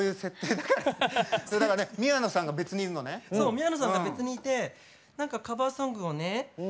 宮野さんが別にいて何かカバーソングをね